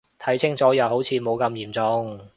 睇清楚又好似冇咁嚴重